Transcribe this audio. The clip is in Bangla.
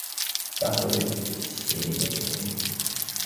তাহলে কি সে?